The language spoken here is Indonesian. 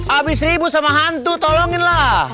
abis ribut sama hantu tolonginlah